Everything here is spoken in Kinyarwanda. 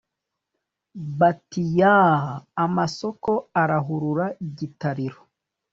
bati"yaaa"! amasoko arahurura gitariro